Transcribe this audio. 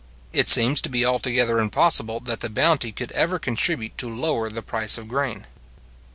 It seems to be altogether impossible that the bounty could ever contribute to lower the price of grain.